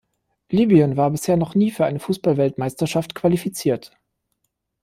Libyen war bisher noch nie für eine Fußball-Weltmeisterschaft qualifiziert.